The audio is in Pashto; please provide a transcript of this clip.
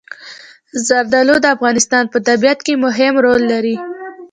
زردالو د افغانستان په طبیعت کې مهم رول لري.